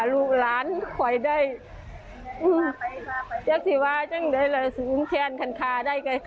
ลูกหลานคอยได้